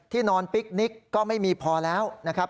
นอนปิ๊กนิกก็ไม่มีพอแล้วนะครับ